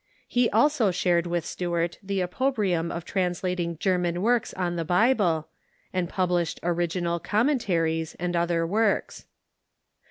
He also shared with Stuart the opprobrium of translating German works on the Bi ble, and published original "Commentaries" and other works.